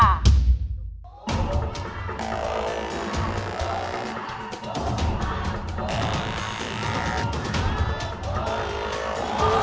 ราคา